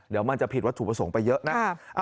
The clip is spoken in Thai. เดี๋ยวมันจะผิดวัตถุประสงค์ไปเยอะนะ